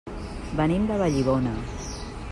Venim de Vallibona.